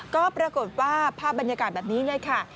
ก็ปรากฏว่าภาพบรรยากาศแบบนี้เลยค่ะ